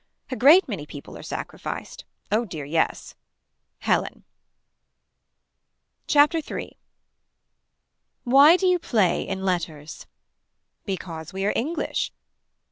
A great many people are sacrificed. Oh dear yes. Helen. CHAPTER 3. Why do you play in letters. Because we are English.